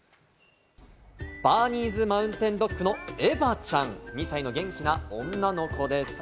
バーニーズマウンテンドックのエヴァちゃん、２歳の元気な女の子です。